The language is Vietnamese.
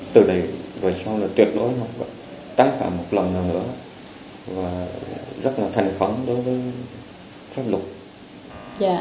từ đấy về sau là tuyệt đối tác phạm một lần nữa và rất là thành phẩm đối với pháp luật